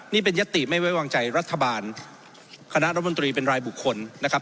นี่เป็นยติไม่ไว้วางใจรัฐบาลคณะรัฐมนตรีเป็นรายบุคคลนะครับ